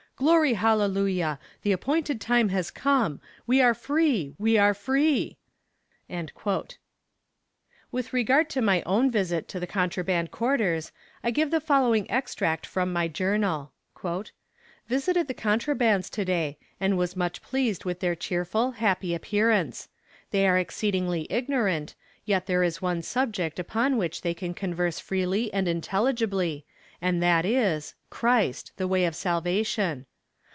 Glory hallelujah! the appointed time has come; we are free, we are free!'" With regard to my own visit to the contraband quarters, I give the following extract from my journal: "Visited the contrabands to day, and was much pleased with their cheerful, happy appearance. They are exceedingly ignorant, yet there is one subject upon which they can converse freely and intelligibly, and that is Christ the way of salvation.